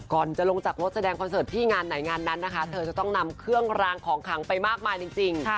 ก่อนจะลงจากรถแสดงคอนเสิร์ตที่งานไหนงานนั้นนะคะเธอจะต้องนำเครื่องรางของขังไปมากมายจริง